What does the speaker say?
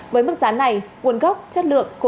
với mức giá này nguồn gốc chất lượng